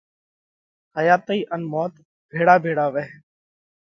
حياتئِي ان موت ڀيۯا ڀيۯا وئه۔